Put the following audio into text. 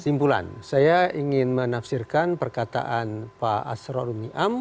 simpulan saya ingin menafsirkan perkataan pak asro runiam